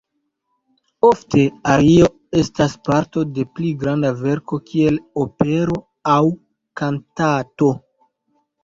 Ofte ario estas parto de pli granda verko kiel opero aŭ kantato.